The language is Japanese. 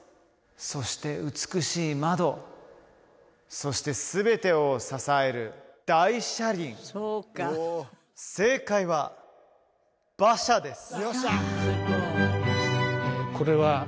そして美しい窓そして全てを支える大車輪正解は「馬車」です